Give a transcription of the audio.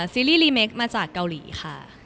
ซีรีส์รีเมคมาจากเกาหลีค่ะ